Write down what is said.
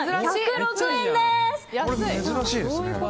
これ、珍しいですね。